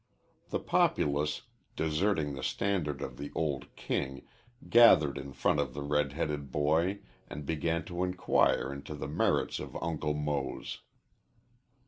The populace, deserting the standard of the old king, gathered in front of the red headed boy and began to inquire into the merits of Uncle Mose.